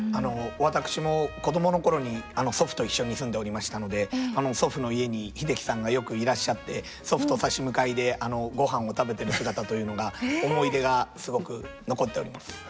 私も子供の頃に祖父と一緒に住んでおりましたので祖父の家に英樹さんがよくいらっしゃって祖父と差し向かいでごはんを食べてる姿というのが思い出がすごく残っております。